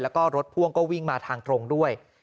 แล้วก็รถพ่วงก็วิ่งมาทางตรงด้วย